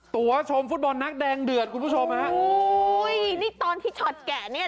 ตัวชมฟุตบอลนักแดงเดือดคุณผู้ชมฮะโอ้ยนี่ตอนที่ช็อตแกะเนี่ย